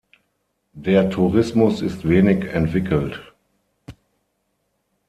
Der Tourismus ist wenig entwickelt.